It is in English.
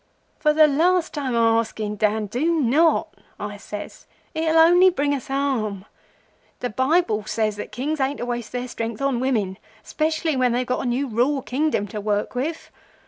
"'For the last time o' asking, Dan, do not,' I says. 'It'll only bring us harm. The Bible says that Kings ain't to waste their strength on women, 'specially when they've got a new raw Kingdom to work over.